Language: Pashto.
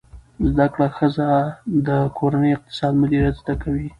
زده کړه ښځه د کورني اقتصاد مدیریت زده کوي.